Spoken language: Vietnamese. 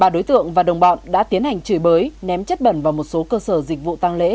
ba đối tượng và đồng bọn đã tiến hành chửi bới ném chất bẩn vào một số cơ sở dịch vụ tăng lễ